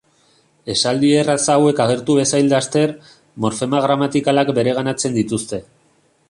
Esaldi erraz hauek agertu bezain laster, morfema gramatikalak bereganatzen dituzte.